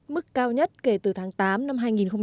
mức cao nhất kể từ tháng tám năm hai nghìn một mươi chín